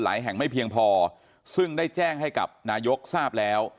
แห่งไม่เพียงพอซึ่งได้แจ้งให้กับนายกทราบแล้ว